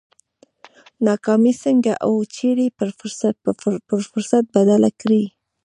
ناکامي څنګه او چېرې پر فرصت بدله کړي؟